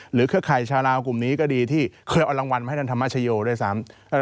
เครือข่ายชาวลาวกลุ่มนี้ก็ดีที่เคยเอารางวัลมาให้ท่านธรรมชโยด้วยซ้ำ